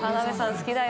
好きだよ。